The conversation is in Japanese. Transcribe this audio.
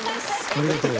ありがとう。